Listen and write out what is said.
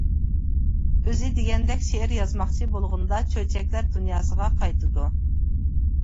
ئۆزى دېگەندەك شېئىر يازماقچى بولغىنىدا چۆچەكلەر دۇنياسىغا قايتىدۇ.